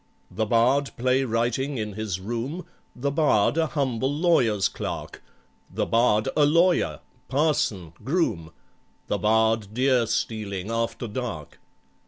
The bard play writing in his room, The bard a humble lawyer's clerk. The bard a lawyer {287a}—parson {287b}—groom {287c}— The bard deer stealing, after dark.